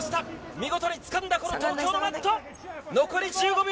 見事につかんだ、東京のマット。